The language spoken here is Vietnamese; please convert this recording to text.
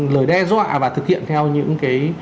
lời đe dọa và thực hiện theo những cái